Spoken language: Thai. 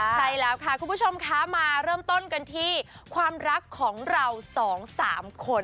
ใช่แล้วค่ะคุณผู้ชมคะมาเริ่มต้นกันที่ความรักของเราสองสามคน